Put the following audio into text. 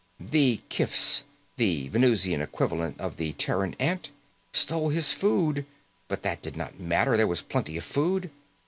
The kifs, the Venusian equivalent of the Terran ant, stole his food. But that did not matter; there was plenty of food.